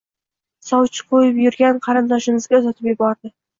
Sovchi qo`yib yurgan qarindoshimizga uzatib yubordi